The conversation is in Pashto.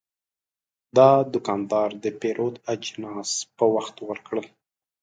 دا دوکاندار د پیرود اجناس په وخت ورکړل.